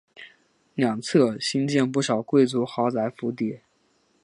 两侧兴建不少贵族豪宅府邸。